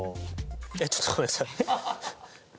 えっちょっとごめんなさい。